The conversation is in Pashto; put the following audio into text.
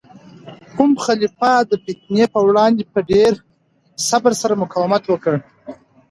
کوم خلیفه د فتنې په وړاندې په ډیر صبر سره مقاومت وکړ؟